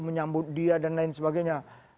menyambut dia dan lain sebagainya